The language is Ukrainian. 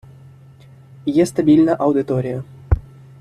Є стабільна аудиторія.